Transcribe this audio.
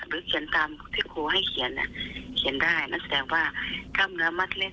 หรือเขียนตามที่ครูให้เขียนอ่ะเขียนได้นั่นแสดงว่ากล้ามเนื้อมัดเล็ก